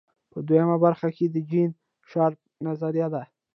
په دویمه برخه کې د جین شارپ نظریه ده.